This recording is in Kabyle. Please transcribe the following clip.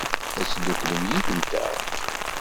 Ad tedduklem yid-nteɣ?